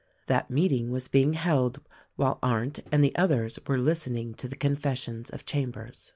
That meeting was being held while Arndt and the others were listening to the confession of Chambers.